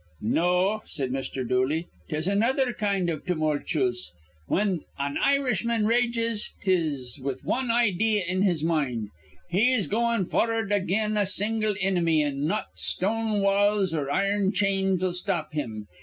"No," said Mr. Dooley, "'tis another kind iv tumulchuse. Whin an Irishman rages, 'tis with wan idee in his mind. He's goin' for'ard again a single inimy, an' not stone walls or irne chains'll stop him.